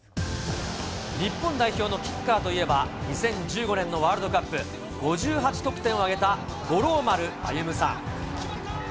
日本代表のキッカーといえば、２０１５年のワールドカップ、５８得点を挙げた、五郎丸歩さん。